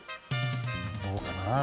どうかな？